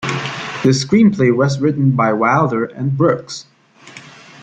The screenplay was written by Wilder and Brooks.